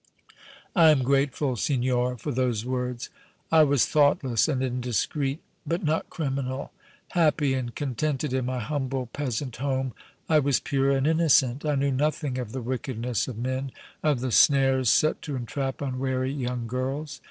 "I am grateful, signora, for those words. I was thoughtless and indiscreet, but not criminal. Happy and contented in my humble peasant home, I was pure and innocent. I knew nothing of the wickedness of men, of the snares set to entrap unwary young girls.